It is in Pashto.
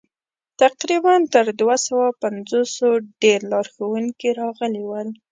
تقریباً تر دوه سوه پنځوسو ډېر لارښوونکي راغلي ول.